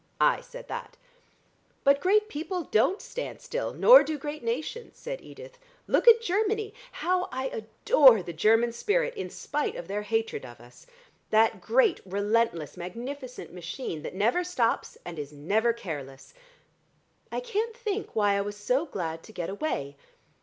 I said that." "But great people don't stand still, nor do great nations," said Edith. "Look at Germany! How I adore the German spirit in spite of their hatred of us. That great, relentless, magnificent machine, that never stops and is never careless. I can't think why I was so glad to get away.